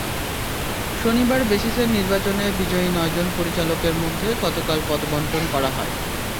শনিবার বেসিসের নির্বাচনে বিজয়ী নয়জন পরিচালকের মধ্যে গতকাল পদবণ্টন করা হয়।